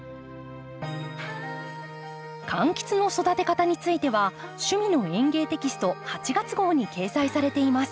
柑橘の育て方については「趣味の園芸」テキスト８月号に掲載されています。